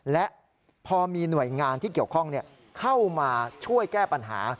และพอมีหน่วยงานที่เกี่ยวข้องเข้ามาช่วยแก้ปัญหา